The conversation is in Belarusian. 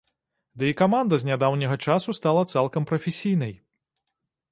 Ды і каманда з нядаўняга часу стала цалкам прафесійнай.